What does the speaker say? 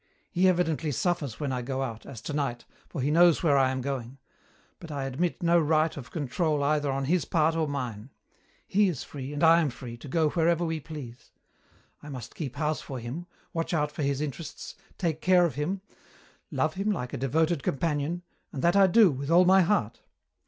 He evidently suffers when I go out, as tonight, for he knows where I am going; but I admit no right of control either on his part or mine. He is free, and I am free, to go wherever we please. I must keep house for him, watch out for his interests, take care of him, love him like a devoted companion, and that I do, with all my heart.